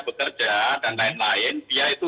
bekerja dan lain lain dia itu